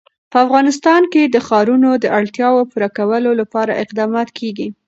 په افغانستان کې د ښارونه د اړتیاوو پوره کولو لپاره اقدامات کېږي.